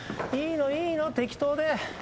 いいのいいの適当で。